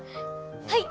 はい。